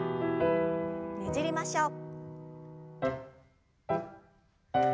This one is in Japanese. ねじりましょう。